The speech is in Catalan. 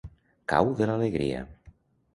Cau de l'alegria.